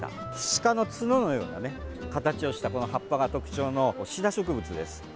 鹿の角のような形をしたこの葉っぱが特徴のシダ植物です。